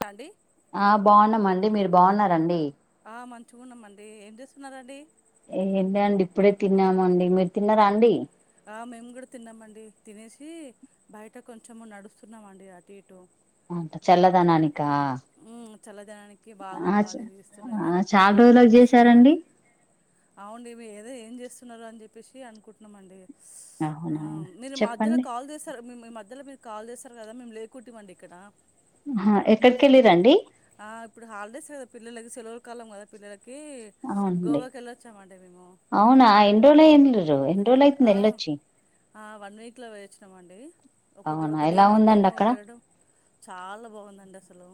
తాడి ఆ బాగున్నామండి మీరు బాగున్నారండి ఆ మంచిగున్నామండి ఏం చేస్తున్నారండి ఏంచేద్దా అండి, ఇప్పుడే తిన్నామండి మీరు తిన్నారా అండి. ఆ మేము కూడా తిన్నామండి. తినేసి బయట కొంచెము నడుస్తున్నామ అండి అటు ఇటు ఆమ్ త్తర్ చల్లదనానికి బాగా ఆ చ గాలి వీస్తున్నది ఆ చాలా రోజులకు చేసారండి చేస్తున్నామండి. అవుండి ఏదో ఏం చే స్తున్నారు అని చెప్పేసి అనుకుంటున్నామండి ఆ అవునా చెప్పండి ధ్యలో మీరు కాల్ చేసారు కదా మేము లేకుట్టివ్వండి. ఇక్కడ అహ ఎక్కడికెళ్ళిరండి ఆ ఇప్పుడు హాలిడేస్ కదా పిల్లలకు సెలవుల కాలం కదా పిల్లలక్ అవునండి మేము అవునా ఎన్ని రోజు ఎల్లిండ్రు ఎన్ని రోజు అయితుంది ఆ వెళ్లొచ్చి ఆ వన్ వీక్లో ఓయేచ్చినామండి ఒకడ్ అవునా ఒకడే ఎలా ఉందండి మొత్తము అక్కడ వెళ్ళడం చాలా బాగుందండి అసలు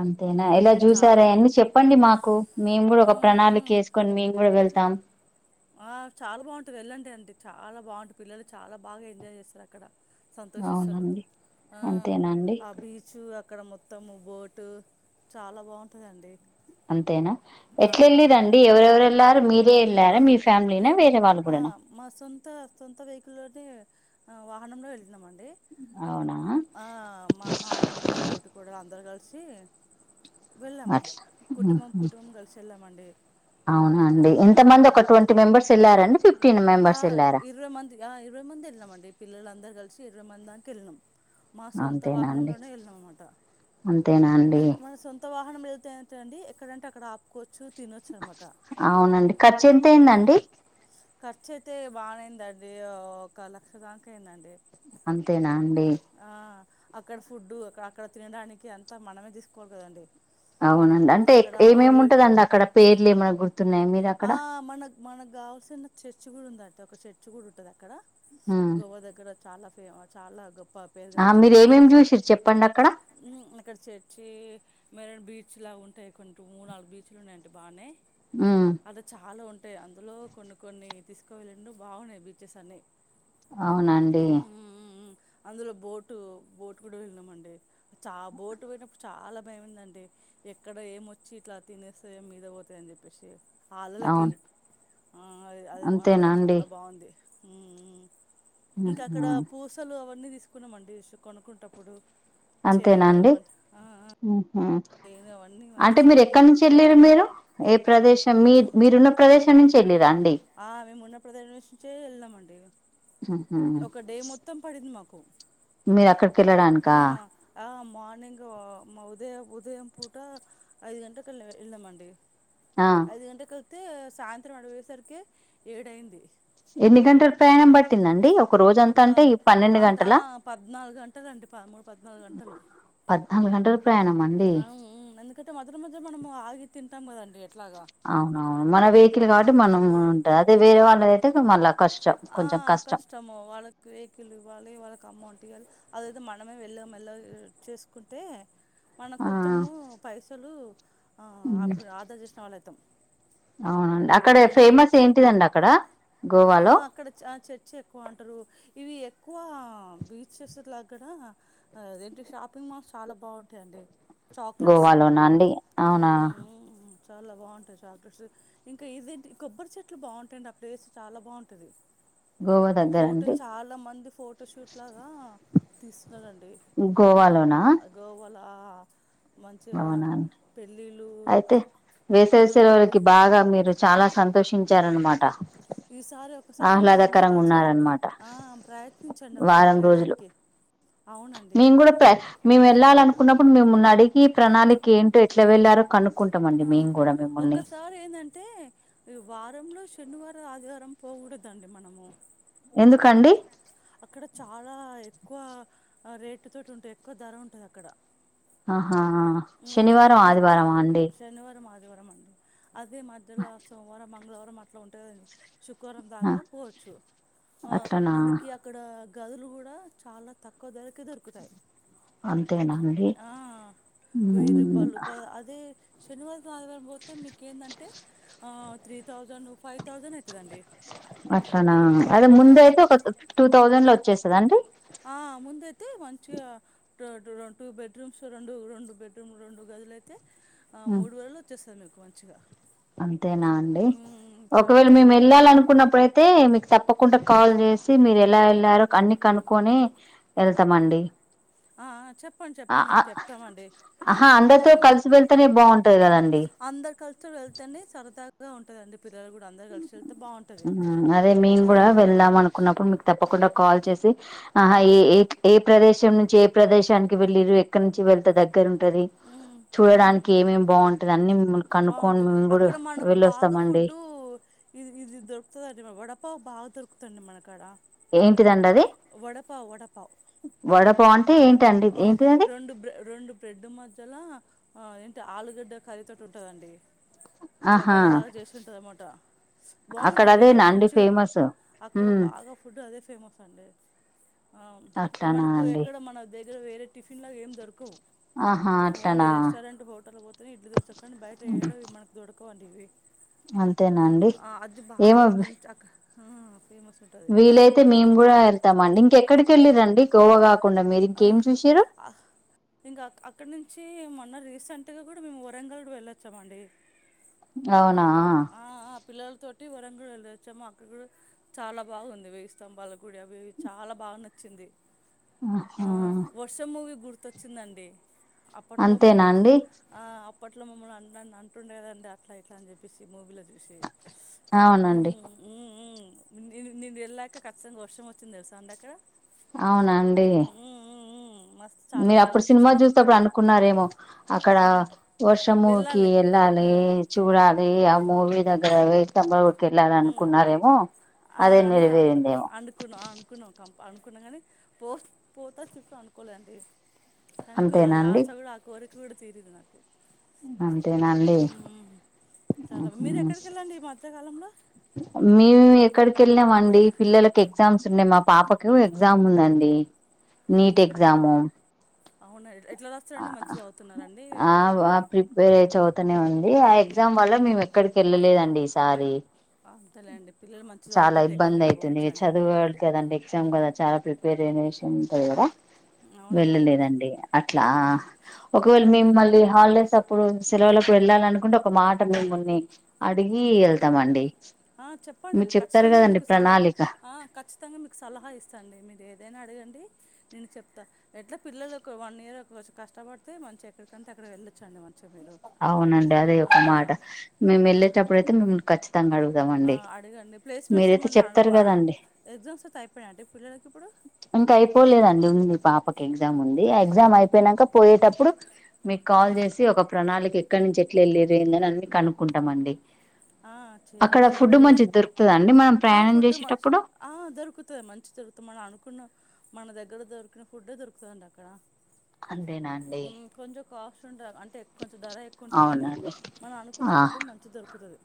అంతేనా ఏలా ఉమ్, చూసారా చాలా అన్ని చెప్పండి మాకు మేము కూడా ఒక ఉమ్, ప్రణాళిక ఉమ్. వేసుకొని మేము కూడా వెళ్తాం ఆ చాలా బాగుంటది వెళ్ళండి అండి చాలా బాగుంటది పిల్లలు చాలా బాగా ఎంజాయ్ చేస్తారు అక్కడ సంతోషిస్తరు అవునండి ఆ అంతేనా అండి ఆ బీచ్ అక్కడ మొత్తము బోటు చాలా బాగుంటదండి అంతేనా ఎట్లేళ్ళిరండి ఎవరెవరు ఏళ్ళారు మీరు ఆ లే ఆ మా సొంత సొంత వెహికిల్ లోనే ఆ వాహనంలో వెళ్లినం అండి. అవునా ఆ మా మా ఆడబిడ్డ తోటి కోడ అందరు కలిసి చీ నెక్స్ట్ ఉ ఉ కలిసి వెళ్ళామండి అవునా ఆ అండి ఆ ఎంతమంది ఎప్ ఒక ట్వంటీ మెంబర్స్ వెళ్ళారా ఎన్ని స్ ఫిఫ్టీన్ ఆ మెంబర్స్ ఇరవై మంది ఆ ఇరవై మంది వెళ్ళినామండి పిల్లలందరు కలిసి ఇరవై మంది దాకా వెళ్ళినం మా సొంత అంతేనా అండి వాహనంలోనే వెళ్ళినం అనమాట అంతేనా అండి ఎంత్ మన సొంత వాహ్ మనం వెళ్తే ళ్తే అండి ఎక్కడ అంటే అక్కడ ఆపుకోచ్ అవునండి ఖర్చు ఎంత అయిందండి ఖర్చు అయితే బానేయిందండి ఒక లక్ష దాకా అయిందండి అంతేనా అండి ఆ అక్కడ ఫుడ్డు అక్ అక్కడ తినడానికి అంతా మనమే తీసుకోవాలి కదండి అవునండి అంటే అక్కడ ఏమేమి అవి ఉంటదండి అక్కడ పేర్లు ఏమైనా గుర్తున్నాయా మీరు ఆ అక్కడ మనకు మనకు కావాల్సిన చర్చి కూడా ఉందట ఒక చర్చ్ కూడా ఉంటది అక్కడ ఉమ్. గోవా దగ్గర చాలా ఏమో చాలా గోప్ పా పేరు ఆ మీరు గాంచిందన మాట ఏమేమి చూసిరు చెప్పండి అక్కడ ఊ అక్కడ చేర్చి మెరీన్ బీచ్ చ్ లా ఉంటాయి కొంచం మూడు నాలుగు బీచ్లున్నాయంట బానే ఉమ్. అది చాలా ఉంట్ టే అందులో కొన్ని కొన్ని తీసుకు వెళ్ళిండు బాగున్నాయి బీచెస్ అన్ని అవునండి అందులో బోటు బోటు కూడా వెళ్ళినమండి చ బోటు పోయినప్పుడు చాలా భయంమందండి ఎక్కడ ఏమొచ్చి ఇట్లా తినేస్తయో మీద పోతాయో అని చెప్పేసి ఆ అలలకి అవును ఆ అద్ అది మాత్రం అంతేనా అండి చాలా బాంది హ్మ్ హ్మ్ ఇంకా ఉహు. అక్కడ పూసలు అవ్ కున్నామండి సు కొనుక్కుంటప్పుడు చెయిన్ అవన్ ఆ ఆ హ్మ్ అంటే మీరు ఎక్కడి నుంచి ఎల్లిర్రు మీరు ఏ ప్రదేశం మీ మీరున్న ప్రదేశం [unintelligible] ఆ మేము ఉన్న ప్ర అన్వేషించే ఎల్లమండి ఉహు ఒక డే మొత్తం పడింది మాకు కు మీరు అక్కడికి వెళ్లడానికా ఆ మార్నింగ్ ఉదయం ఉదయం పూట ఐదు గంటకి వెళ్ళ వెళ్ళామండి ఆ ఐదు గంటకు తే సాయంత్రం అడిగి పోయేసరికే ఏడైంది ఎన్ని గంటల ప్రయాణం పట్టిందండి ఒక రోజ అంతా అంటే ఈ పన్నెండు అంట గంటల ఆ పద్నాలుగు గంటలు అండి పదమూడు పద్నాలుగు పద్నాలుగు గంటల ప్రయాణం అండి అ ఉ నంద్ కతే మద మద మనము ఆగి తింటాం కదా అవునవును మన వెహికల్ కాబట్టి మనం ఉంటది అదే వేరే వాళ్ళ తే మల్ల కష్ ఆ కష్టము వాళ్ళకి వెహికల్ ఇవ్వాలి వాళ్ళకి అమౌంట్ అదైతే మనమే వెళ్ళ మెల్లగా చేసుకుంటే మన ఆ కొంచము పైసలు ఆ అప్పుడు ఆదా చేసిన వాల్లయితం అవునండి అక్కడ ఫేమస్ ఏంటిదండి అక్కడ ఆ గోవాలో అక్కడ ఆ చర్చ ఎక్కువ అంటారు ఇవి ఎక్కువ బీచెస్ లాగ ఏదేంటి షాపింగ్ మాల్స్ చాలా బాగుంటాయండి చాక్లెట్స్ గోవాలోనా అండి అవునా హ్మ్ హ్మ్ చాలా బాంటాయి చాక్లెట్స్ ఇంకా ఇదేంటి కొబ్బరి చెట్లు బాంటాయండి ఆ ప్లేస్ చాలా బాంటది గోవా దగ్గర ఫోటో అండి చాలా మంది ఫోటో షూట్ లాగా తీస్ మ్ గోవాలోనా లా అవునండి అయితే పుట్టినరోజులు వేసవసలకి బాగా మీరు చాలా సంతోషించ ఉచ్చరణ మాట ఈసారి ఒకసారి మీరు అందరు కలిసి ఉన్నారనమాట ఆ ప్రయత్నించండి ఒకసారి వారం రోజులు వెళ్ళడానికి అవునండి మేము కూడా ప్ర మేము వెళ్ళాలి అనుకున్నా ప్పుడు మేమున్న అడిగి ఈ ప్రణాళికకి ఏంటో ఎట్లా వెళ్లారో కను ఆ ఒక్కసారి ఎందంటే వారంలో శనివారం ఆదివారం పోకూడదండి మనము ఎందుకండి అక్కడ చాలా ఎ ఎక్కువ రేటు తోటి ఉంటై ఎక్కువ ధర ఉంటది అక్కడ ఆ ఉమ్, శనివారం ఆదివారమాఅండి మంది అదే మధ్యల సోమవారం మంగళవారం మాట్లుంటదండి సు కోరం దాకా పోచ్చు. ఆ అట్లనా మనకి అక్కడ గదులు గూడా చాలా తక్కువ ధరకే దొరుకుతాయి అంతేనా అండి ఆ వెయ్యి రూపాలు ప అదే ఎ శనివాదం ఆదివారం పోతే మీకేందంటే ఆ త్రీ థౌసండ్ ఫైవ్ తౌసండ్ అట్లానా అదే ఆ ముందైతే ఒక తు టూ థౌజండ్ లో వచ్చే స్ తదండి ఆ ముందైతే మంచిగా డా డు టూ బెడ్రూమ్స్ రెండు రెండు బెడ్రూమ్ రెండు గదులైతే ఆ మూడు వేలు వచ్చేస్తది మీకు మంచిగా అంతేనా అండి మ్మ్, చాలా ఒకవేళ తక్కువ మేము ఎళ్ళాలనుకున్నపుడు అయితే మీకు తప్పకుండా కాల్ చేసి మీరు ఎలా వెళ్లారో అన్ని కనుక్కొని ఎళ్తామండి ఆ ఆ చెప్పండి చెప్పండి మేం చెప్తామండి ఆహా ఆ అందరితో కలిసి వెళ్తేనే బాగుంటది కదండి అందరు కలిసి వెల్ తేనే సరదా సరదాగా ఉంటదండి. పిల్లలు కూడా అందరు కలిసి బాగుంటది ఉ అదే మేము ఆ కూడా వెళ్దాం. అనుకున్నప్పుడు మీకు తప్పకుండా కాల్ చేసి ఆహ ఏ ఏ ప్రదేష్ ప్రదేశం నుంచి ఏ ప్రదేశానికి వెళ్ళిర్రు. ఎక్కడ నుంచి వెళ్తే దగ్గర ఉంటది. ఉమ్ చూడడానికి ఏమేమి బావుంటంది అన్ని మిమ్మల్ని కనుక్కొని బావుంట మేము కూడా అక్కడ మనకు బాగా వెళ్ళొస్తామండి ఫుడ్డు ఇది ఇది దొ తదండి వడపావ్ బాగా దొరుకుతండి. మనకాడ ఏం టిదండి అది వడపావ్ వడపావ్ వడపావ్ అం ఆ రెండు బ్రె రెండు బ్రెడ్ మధ్యలా ఆ ఆలుగడ్డ కర్రీ తోటి ఉంటదండి. ఇట్ల ఆహా వడలాగా చేసింటమాట బావుంట అక్కడ టే అదేనా అండి మంచి ఫేమస్ అక్కడ ఉమ్ బాగా ఫుడ్ అదే ఫేమస్ అండి‌ ఆ ఇ అట్లానా మనకు అండి ఎక్కడ మన దె ర వేరే టిఫన్ లా ఏం దొరకవ్. ఆహా ఓన్లీ అట్లానా రెస్టారెంట్ హోటల్ పోతే ఇడ్లీ దోస కని బయట ఏడవి మనకు దొర్ పొ అంటివి. అంతేనా అండి ఏమబ్. హు వీలైతే మేము కూడా వెళ్తామండి. ఇంకెక్కడికి ఎళ్ళిరండి. కోవా కాక్ ఆ ఆ ఇంకా అక్ అక్కడి నుంచి మ న రీసెంట్ గా కూడా మేము వరంగల్ వెళ్ళొచ్చామండి. అవునా ఆ ఆ పిల్లల తోటి వరంగ గల్ వెళ్ళొచ్చామో అక్కడ కూడా చాలా బావుంది. వేయి స్తంభాల గుడి అవి చాలా బాగా నచ్చింది. ఆ ఆహా వర్షం మూవి గుర్ ర్తుచ్చిందండి. అప్పట్లో మము అంతేనా అండి ఆ అప్పట్లో మమ్మల్ని అం అంటుండేదండి అట్లా ఇట్ అని చెప్పి పిసి మూవీ లేద్ సి అవునండి హ్మ్ హ్మ్ న్ న్ నేను ఎళ్ళాక ఖచ్చితంగా వర్షం వచ్చింది తెలుసా అండిక అవునా అండి. మస్తు చాలా మీరు బాగా అప్పుడు సినిమా అనిపించింది చూస్తప్పుడు అనుకున్నారేమో అక్కడ ఆ వర్షముకి వెళ్ళాలి ఆ వెళ్ళాలి చూడా యి ఆ మూవీ వెయ్యి స్తంభా ఉ ఆ అన్నా అన్న నెరవేరిందేమో అండుకునావ్ అనుకునవ్ కం అనుకున్నాం గాని పో పోతా చెప్పి అనుకోలేండి కనుకు అంతేనా అది ఆసా కూడా ఆ కోరిగుడ్ తిరిదు నాకు అంతేనండి ఉమ్, చాలా మీరు ఎక్కడికి వెళ్ళండి ఈ మధ్యకాలంలో మేము ఎక్కడికి వెళ్నామ అండి పిల్లలకి ఎగ్జామ్స్ ఉండే మా పాపకు ఎగ్జామ్ ఉందండి నీట్ ఎగజాము అవును ఆ బా ప్రిపేర్ అయి చ అవుతానే ఉంది ఆ ఎగ్జామ్ వల్ల మేము ఎక్కడికి వెళ్ళలేదండి సారి అంతేలేండి పిల్లలు మంచిగా చాలా చదువుకుంటే ఇబ్బంది ఎక్కడికైనా అయితుంది ఇ పోవచ్చండి చదువు వాళ్ళు కదంటే ఎగ్జామ్ కదా చాలా ప్రిపర్ పేరేనేషన్ దగర అవునండి వెళ్ళలేదండి అ ఉమ్. ఒకవేళ మీ మిమల్ళీ హాలిడేస్ అప్పుడు సెలవులకు వెళ్ళాల అనుకుంటే ఒక మాట మేమ్ముని అడిగి వెళ్తామ అండి ఆ చెప్పండి ఖచ్చితంగా మీకు సలహా ప్రణాళిక ఆ ఖచ్చితంగా మీకు సలహా ఇస్తాండి మీరు ఏదైనా అడిగండి నేను చెప్తా ఎట్లా పిల్లలు ఒక వన్ ఇయర్ కష్టపడితే మంచి ఎక్కడికంటే అక్కడ వెళ్ళొచ్చు అండి మంచి అవునండి అదే ఒక మాట మేము వెళ్ళేటప్పుడు అతే మేమల్ ఖచ్చిత ఆ అడుగుతాంండి అడగండి ప్లేస్మెంట్స్ మీరైతే ఏమన్నా చెప్తారు అడుకు కదండి ఎగ్జామ్స్ అయితే అయిపోయాయండి పిల్లలకి ఇప్పుడు ఇంకా అయిపోలేదండి ఉంది పాప ఎగ్జామ్ ఉంది ఎగ్జామ్ అయిపోనాక పోయేటప్పుడు మీకు ఆ కాల్ చేసి ఒక వాళ్ళకి ఎక్కడి నుంచి ఎట్లా ఎళ్ళిరందని అన్న కనుక్కుంటాం అండి ఆ చెయ్యండి చెయ్య చెయ్య దొరుకుతదా అండి మనం ఆ ప్రయాణం ఫుడ్ మంచి చేసేటప్పుడు ఆ దొరుకుతుంది మంచి దొరుకుతాం అని అనుకున్నా మన దగ్గర దొరికిన ఫుడ్డే దొరుకుతుండి అక్కడ అంతేనాండి హ్మ్ కాండ అంటే ఎక్కువ ధర ఎక్కువ ఉంటాయి కాని అవునండి మనం అనుకున్న ఫుడ్ మంచిగా దొరుకుతుంది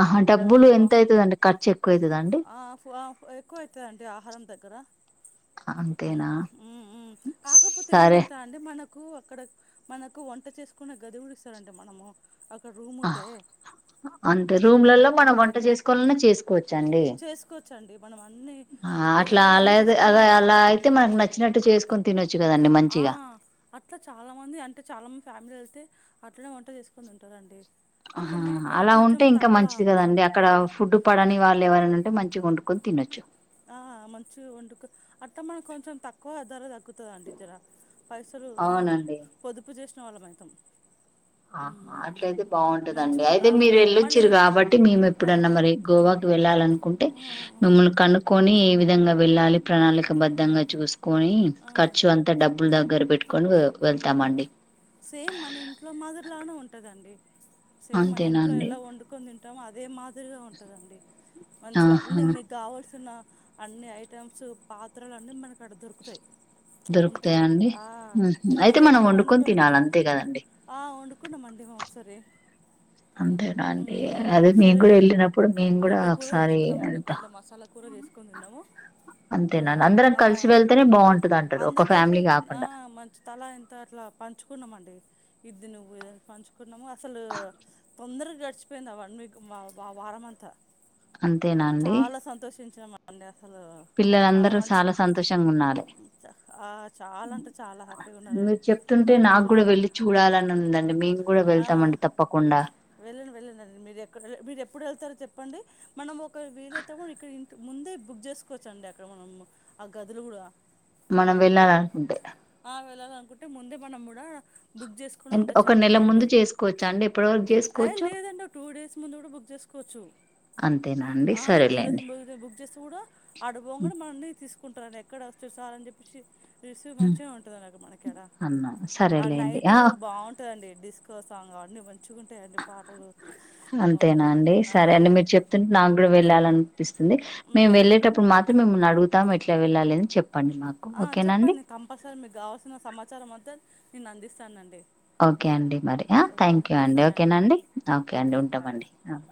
ఆ డబ్బులు ఎంత అవుతుందిండి ఖర్చు ఎక్కువవుతుందండి దగగరా కాకపోతే సరే ఏందంటా అండి మనం అక్కడ మనకు వంట చేసుకునే గదువులు ఇస్తారంటడి మనము అక్కడ రూమ్ ఉంటే అంటే రూమ్లలో మన వంట చేసుకోవాలన్నా చేసుకో కూర్చండి సంండే ఆ అట్లా అలేద్దు అదే అనుకో అలా అయితే మనకు నచ్చినట్టు చేసు ఆ అట్లా చాలా మంది అంటే చాలా మంది ఫ్యామిలీ వెళ్తే అట్లానే వంట చేసుకొని ఉంటారంండి ఆ అలా ఉంటే ఇంకా మంచిది కదండి అక్కడ ఫుడ్ పడని వాళ్ళు ఎవరైనా మంచిగా వండుకొని తినొచ్చు ఆ మంచిగా వండుకు అట్ట మనం కొంచెం తక్కువధర తగ్గు ండి జర పైసలు ఆ పొదుపు చేస్త వాళ్ళ మైతం ఆా అట్లయితే బాగుంటదండి మంచిగా అయితే ఉంటా మీరు మనీ వెళ్ళొచ్చిారు కాబట్టి మేము ఆ ఎప్పుడన్నా ఆ మరి గోవాకు వెళ్ళాలాన్ ంటే ఆ మిమ్మల్ని కకోన్ ఏ విధంగా వెళ్ళాలి ప్రణాళికబధంగా చూసుకొని ఆ, ఆ. ఖర్చు అంత డబ్బులు దగ్ గరిబట్కొ సేమ్ మంట ఇంట్లో మాదిర్ లాను ఉంటదండి సేమ్ అన్న అంతేనా ఇంట్లో అండి ఎలా ఒండుకుం థీమ్ చం అదే మాదిరిగా ఉంటదండి మంచిగా ఆహా అని మీకు కావాల్సిన అన్ని ఐటమ్స్ పాత్రలు అన్నీ మనకి అడ దొరుకుతాయి ఉంటాయి దొరుకుతాయా అండియి ఇంట్లో ఎట్లా వండుకొని తింటాము ఆ వండుకున్నామండీ మేము ఒకసారి అంతేనా ఉ అండి అదే మేము ఒకసారి కూడా వెళ్ళినప్పుడు మేము కూడా గుడ్ల కూర ఒకసారి చేసుకున్నమండీ గుడ్ల మసాలా. కూర చేసుకొని తన్నాము అంతేనన్న అందరం కలిసి వెళ్తేనే బాగుంటది అంటారు ఒక ఫ్యామిలీ కాకుండా. అట్లా ఇంత అట్లా పంచుకున్నామండి ఇది నువ్వు ఇద పంచుకున్నాము అసలు తొందరగా గడిచిపోయింది అ మంది ఆ వారం అంతా. అంతేనా అండి మండే అసలు చాలా మంచి సంతోషంగా ఉండాలి ఆ చాలా అంటే చాలా హే మీరు చెప్తుంటే నాకు కూడా సంతోషగావేల వెళ్ళి చూడాలని ఉందండి మేము కూడా ఆ వెళ్తామండి తప్పకుండా వెళ్ళను వెళ్ళంండి మీరు ఎ మీరు ఎప్పుడు వెళ్తారు. చెప్పండి మనం ఒక ఒక వీలైతేవం ఇక్కడ ముందే బుక్ చేసుకోవచ్చ అండి అక్కడ మనం ఆ గదులు కూడా మనం వెళ్ళాలనుకుంటే ఆ వెళాల అనుకుంటే ముందే మనం కూడా బుక్ చేసుకుని ఎంత ఉండొచ్చు ఒక అంటే నెల ఏం ముందు కదుా చేసుకోవచ్చా అండి ఎప్పటి వరకు ఏ చేసుకోవచ్చు లేదండి టూ డేస్ ముందు కూడా బుక్ చేసుకోవచ్చు అంతేనా అండి ఆ టూ డేస్ సరేలేండి ము బుక్ చేసి కూడా ఆడబంగానే మనని తీసుకో కుంటారని ఎక్కడ వస్తే సార్ అని చెప్పేసి ఋషి ఉమ్, మంచిగా వం అన్నా ఆ సరేలేండి నైట్ ఆ బాగుంటదండి డిస్కో సాంగ్ అవన్నీ మంచిగుంటాయండి పాటలు అవును. అంతేనా అండి ఆ, సరే అండి మీరు చెప్తుంటే నాక్కూడా వెళ్ళాల అనిపిస్తుంది, ఉమ్, మేము ఉమ్. వెళ్ళేటప్పుడు మాత్రం మే మిమ్మల్ని అడుగుతాం. ఎట్ల వెళ్ళాలని చెప్ ఆ చెప్పండి కంపల్సరీ మీకు కావాల్సిన సమాచారం అంత నేను అందిస్తానండి ఓకే అండి మరి ఆ థ్యాంక్ ఓకేనా యూ ఆ, అండి సరే ఓకేనండి ఓకే అండి బాయ్ ఉంటామండి. బాయ్